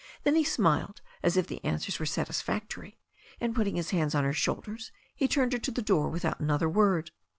Then he smiled as if the answers were satisfactory, and putting his hands on her shoulders, he turned her to the door without another word.